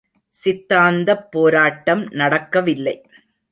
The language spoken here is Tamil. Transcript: சித்தாந்தப் போராட்டம் நடக்கவில்லை.